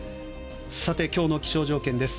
今日の気象条件です。